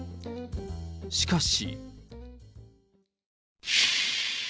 しかし。